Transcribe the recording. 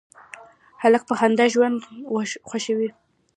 هلک په خندا ژوند خوښوي.